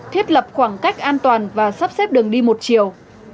thiết lập khoảng cách an toàn và sắp xếp đường đi một chiều